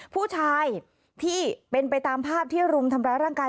ผู้ชายที่เป็นไปตามภาพที่รุมทำร้ายร่างกาย